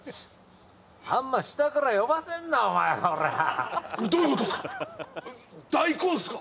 あんま下から呼ばせんなおいコラどういうことっすか大根っすか！？